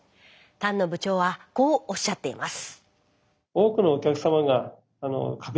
丹野部長はこうおっしゃっています。